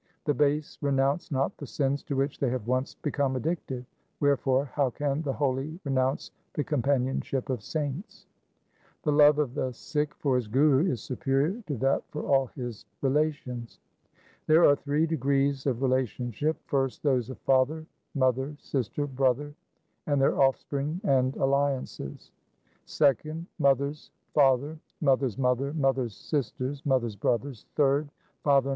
The base renounce not the sins to which they have once bacome addicted. Wherefore how can the holy renounce the companionship of saints ? The love of the Sikh for his Guru is superior to that for all his relations :— There are three degrees of relationship — first those of father, mother, sister, brother, and their offspring and alliances ; second, mother's father, mother's mother, mother's sisters, mother's brothers; third, father in law, 1 XXVII.